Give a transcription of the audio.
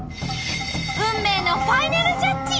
運命のファイナルジャッジ！